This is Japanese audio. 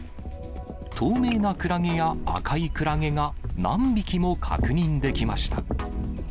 透明なクラゲや赤いクラゲが何匹も確認できました。